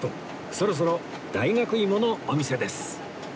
そろそろ大学芋のお店です